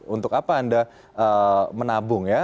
untuk apa anda menabung ya